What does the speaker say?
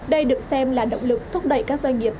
đây được xem là động lực thúc đẩy các doanh nghiệp